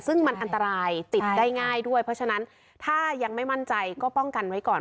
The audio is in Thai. ซึ่งมันอันตรายติดได้ง่ายด้วยเพราะฉะนั้นถ้ายังไม่มั่นใจก็ป้องกันไว้ก่อน